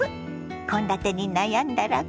献立に悩んだらこれ！